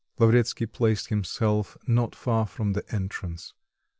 Lavretsky placed himself not far from the entrance.